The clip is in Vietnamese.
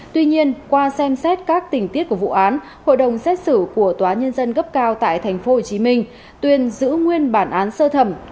tuy nhiên qua xem xét các tình tiết của vụ án hội đồng xét xử của tòa nhân dân cấp cao tại tp hcm tuyên giữ nguyên bản án sơ thẩm